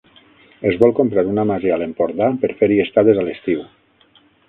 Es vol comprar una masia a l'Empordà per fer-hi estades a l'estiu.